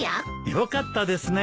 よかったですね。